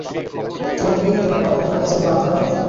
তোমার কি দরকার অন্যের ভেজাল পা ঢোকানোর?